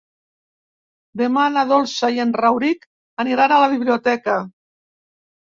Demà na Dolça i en Rauric aniran a la biblioteca.